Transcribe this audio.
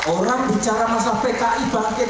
orang bicara masalah pki bangkit